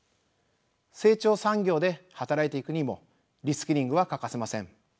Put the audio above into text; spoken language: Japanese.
成長産業で働いていくにもリスキリングは欠かせません。